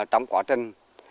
trong quá trình